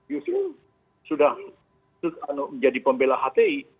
yusril sudah menjadi pembela hti